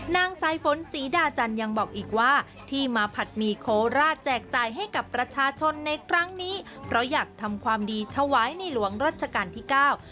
นางสายฝนศรีดาจันทร์ยังบอกอีกว่าที่มาผัดหมี่โคราชแจกจ่ายให้กับประชาชนในครั้งนี้เพราะอยากทำความดีถวายในหลวงรัชกาลที่เก้า